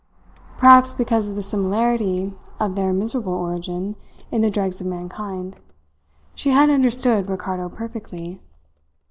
Perhaps because of the similarity of their miserable origin in the dregs of mankind, she had understood Ricardo perfectly.